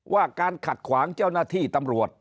ว่าการขัดขวางเจ้าหน้าที่ตำรวจ